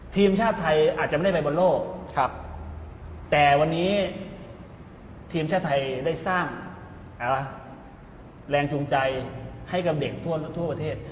ทีมชาติไทยอาจจะไม่ได้ไปบนโลกแต่วันนี้ทีมชาติไทยได้สร้างแรงจูงใจให้กับเด็กทั่วประเทศ